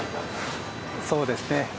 そうですね。